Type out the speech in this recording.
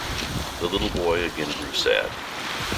The little boy again grew sad.